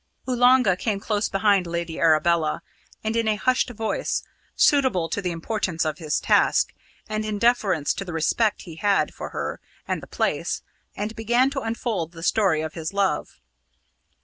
Oolanga came close behind Lady Arabella, and in a hushed voice, suitable to the importance of his task, and in deference to the respect he had for her and the place, began to unfold the story of his love.